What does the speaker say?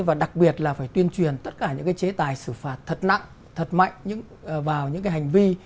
và đặc biệt là phải tuyên truyền tất cả những cái chế tài xử phạt thật nặng thật mạnh vào những cái hành vi